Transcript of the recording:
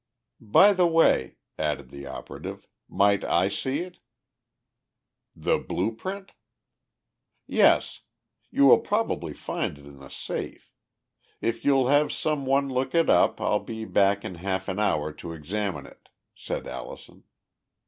"By the way," added the operative, "might I see it?" "The blue print?" "Yes. You will probably find it in the safe. If you'll have some one look it up, I'll be back in half an hour to examine it," said Allison.